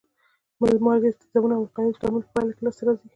مالګې د تیزابو او القلیو د تعامل په پایله کې په لاس راځي.